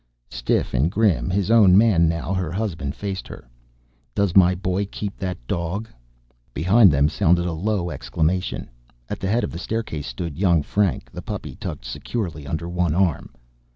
Stiff and grim, his own man now, her husband faced her. "Does my boy keep that dog?" Behind them sounded a low exclamation. At the head of the staircase stood young Frank, the puppy tucked securely under one arm.